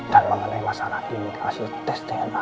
dan mengenai masalah imigrasi tes dna